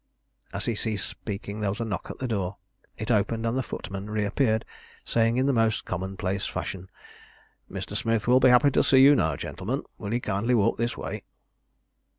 As he ceased speaking there was a knock at the door. It opened and the footman reappeared, saying in the most commonplace fashion "Mr. Smith will be happy to see you now, gentlemen. Will you kindly walk this way?"